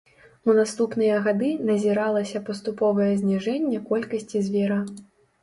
У наступныя гады назіралася паступовае зніжэнне колькасці звера.